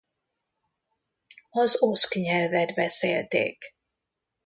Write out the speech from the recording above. Az oszk nyelvet beszélték.